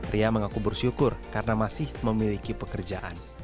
ria mengaku bersyukur karena masih memiliki pekerjaan